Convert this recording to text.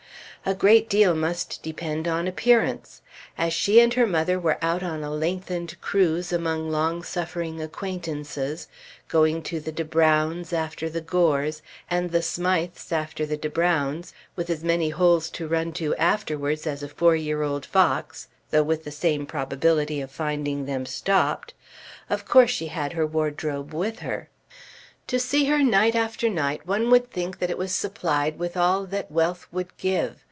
A great deal must depend on appearance. As she and her mother were out on a lengthened cruise among long suffering acquaintances, going to the De Brownes after the Gores, and the Smijthes after the De Brownes, with as many holes to run to afterwards as a four year old fox, though with the same probability of finding them stopped, of course she had her wardrobe with her. To see her night after night one would think that it was supplied with all that wealth would give.